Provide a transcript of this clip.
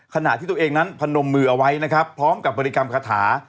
ขณะที่ตัวเองนั้นพนมมือเอาไว้นะครับพร้อมกับบริกรรมคาถา